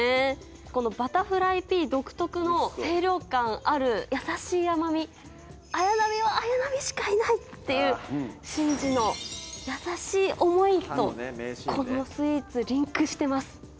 このバタフライピー独特の清涼感あるやさしい甘み。っていうシンジの優しい思いとこのスイーツリンクしてます！